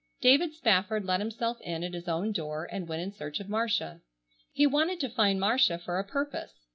David Spafford let himself in at his own door, and went in search of Marcia. He wanted to find Marcia for a purpose.